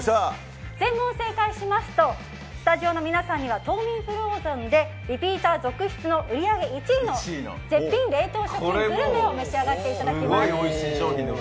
全問正解しますとスタジオの皆さんにはＴＯＭＩＮＦＲＯＺＥＮでリピーター続出の売り上げ１位の絶品冷凍食品グルメを召し上がっていただきます。